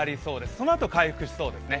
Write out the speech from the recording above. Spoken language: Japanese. そのあと回復しそうですね。